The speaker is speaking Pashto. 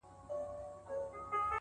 پوهه له شکونو ځواکمنه ده